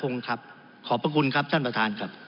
จึงฝากกลับเรียนเมื่อเรามีการแก้รัฐพาหารกันอีก